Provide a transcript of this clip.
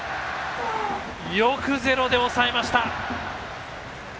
よくゼロで抑えました。